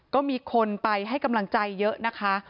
ก็มีคนไปให้กำลังใจเยอะนะคะ